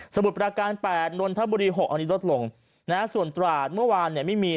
มุดประการ๘นนทบุรี๖อันนี้ลดลงนะฮะส่วนตราดเมื่อวานเนี่ยไม่มี